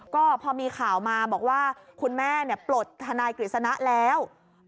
ก็พอมีข่าวมาบอกว่าคุณแม่ปลดทนายกฤษณะแล้ว